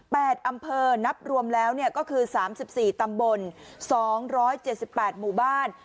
อำเภอนับรวมแล้วเนี่ยก็คือสามสิบสี่ตำบลสองร้อยเจ็ดสิบแปดหมู่บ้าน